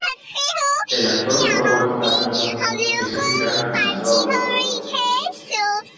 El actor Rowan Atkinson es un gran aficionado a los coches.